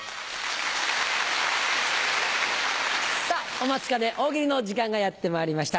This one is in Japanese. お待ちかね大喜利の時間がやってまいりました。